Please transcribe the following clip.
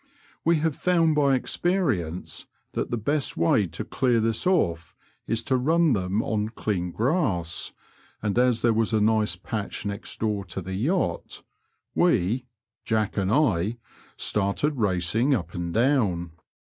We have found by experience that the best way to clear this off is to run them on clean grass, and as there was a nice patch next door to the yacht, we (Jack and I) started racing up and down.